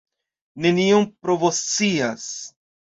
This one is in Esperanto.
Nenion povoscias!